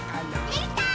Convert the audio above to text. できたー！